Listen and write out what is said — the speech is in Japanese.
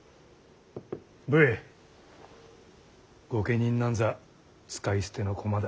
武衛御家人なんざ使い捨ての駒だ。